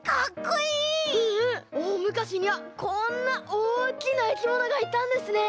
おおむかしにはこんなおおきないきものがいたんですね！